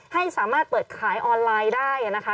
ให้สามารถเปิดขายออนไลน์ได้นะคะ